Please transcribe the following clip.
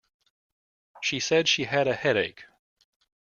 She said she had a headache.